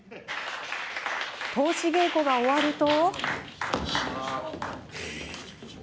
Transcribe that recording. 通し稽古が終わると。